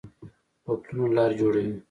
په پلونو لار جوړوي